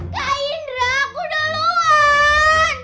kak indra aku udah luar